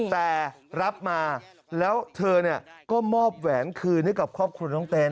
แต่รับมาแล้วเธอก็มอบแหวนคืนให้กับครอบครัวน้องเต้น